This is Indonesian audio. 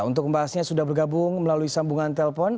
untuk membahasnya sudah bergabung melalui sambungan telpon